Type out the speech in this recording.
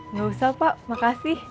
nggak usah pak makasih